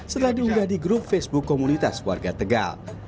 setelah diunggah di grup facebook komunitas warga tegal